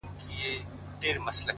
داسې خبرې خو د دې دُنيا سړی نه کوي’